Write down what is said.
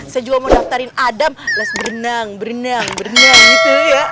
saya juga mau daftarin adam plus berenang berenang berenang gitu ya